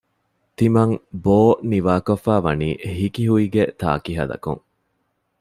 ތިމަން ބޯ ނިވާކޮށްފައިވަނީ ހިކިހުއިގެ ތާކިހަލަކުން